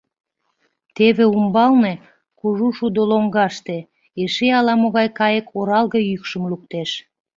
Теве умбалне, кужу шудо лоҥгаште, эше ала-могай кайык оралге йӱкшым луктеш.